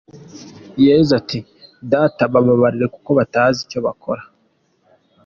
Yezu ati ’Data Bababarire kuko batazi icyo bakora.